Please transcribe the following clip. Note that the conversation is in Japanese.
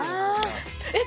「えっ？